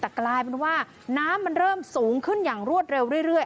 แต่กลายเป็นว่าน้ำมันเริ่มสูงขึ้นอย่างรวดเร็วเรื่อย